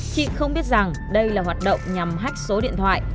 chị không biết rằng đây là hoạt động nhằm hách số điện thoại